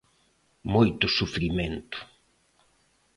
Moito sufrimento.